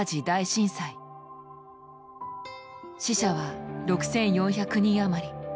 死者は６，４００人余り。